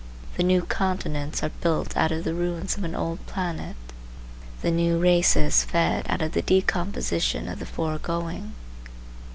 The new continents are built out of the ruins of an old planet; the new races fed out of the decomposition of the foregoing.